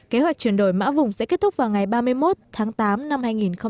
kế hoạch chuyển đổi mã vùng sẽ kết thúc vào ngày ba mươi một tháng tám năm hai nghìn hai mươi